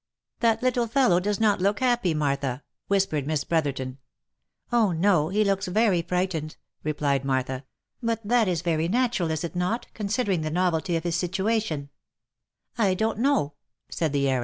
"That little fellow does not look happy, Martha," whispered Miss Brotherton. " Oh no ! he looks very frightened," replied Martha, " but that is very natural, is it not, considering the novelty of his situation V " I don't know," said the heiress.